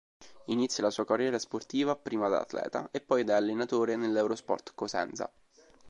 Inizia la sua carriera sportiva prima da atleta e poi da allenatore nell'Eurosport Cosenza.